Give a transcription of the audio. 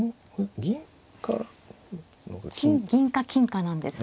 銀か金かなんですね。